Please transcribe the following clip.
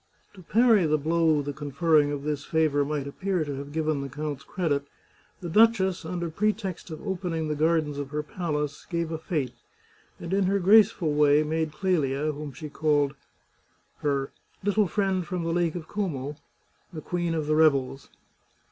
To parry the blow the conferring of this favour might appear to have given the count's credit, the duchess, under pretext of opening the gardens of her palace, gave a fete, and in her graceful way made Clelia, whom she called her " little friend from the Lake of Como," the queen of the revels.